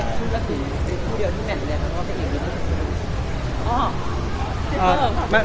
ได้ใคร